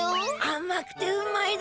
あまくてうまいだ！